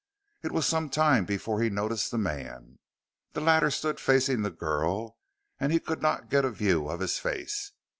It was some time before he noticed the man. The latter stood facing the girl and he could not get a view of his face.